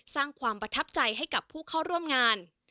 สร้างความประทับใจให้กับผู้เข้าร่วมงาน